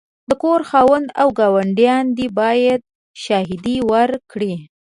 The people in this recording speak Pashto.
د کور خاوند او ګاونډیان دي باید شاهدې ورکړې.